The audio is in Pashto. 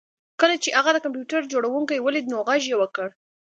کله چې هغه د کمپیوټر جوړونکی ولید نو غږ یې وکړ